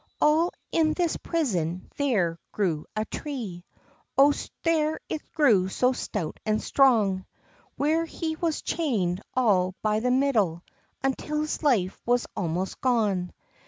All in this prison there grew a tree, O there it grew so stout and strong! Where he was chained all by the middle, Until his life was almost gone.